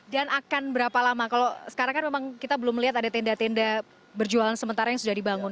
dan akan berapa lama kalau sekarang kan memang kita belum melihat ada tinda tinda berjualan sementara yang sudah dibangun